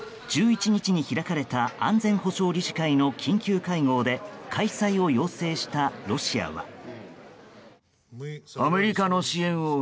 １１日に開かれた安全保障理事会の緊急会合で開催を要請したロシアは。